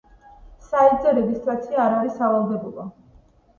საიტზე რეგისტრაცია არ არის სავალდებულო.